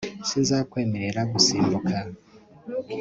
sinzakwemerera gusimbuka